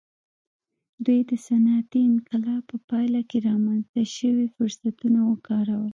دوی د صنعتي انقلاب په پایله کې رامنځته شوي فرصتونه وکارول.